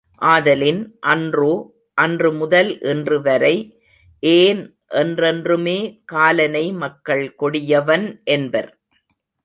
ஆதலின் அன்றோ அன்று முதல் இன்றுவரை, ஏன் என்றென்றுமே காலனை மக்கள் கொடியவன் என்பர்.